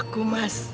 aku dulu cantik banget